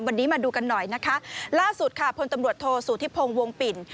วันนี้มาดูกันหน่อยนะคะล่าสุดค่ะพลตำรวจโทษสุธิพงศ์วงปิ่น